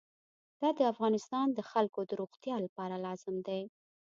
دا د افغانستان د خلکو د روغتیا لپاره لازم دی.